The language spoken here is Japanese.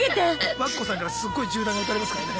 和歌子さんからすっごい銃弾が撃たれますからね。